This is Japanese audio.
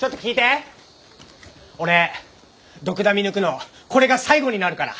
俺ドクダミ抜くのこれが最後になるから。